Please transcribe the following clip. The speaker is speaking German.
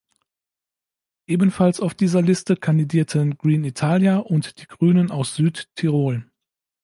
Ebenfalls auf dieser Liste kandidierten Green Italia und die Grünen aus Südtirol.